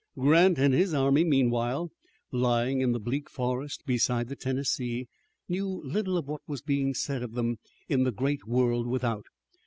Grant and his army, meanwhile, lying in the bleak forest beside the Tennessee, knew little of what was being said of them in the great world without.